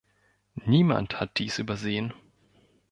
Niemand hat dies übersehen.